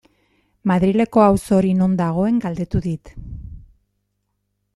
Madrileko auzo hori non dagoen galdetu dit.